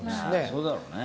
そうだろうね。